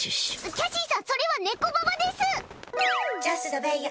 キャシーさんそれは、ねこばばです。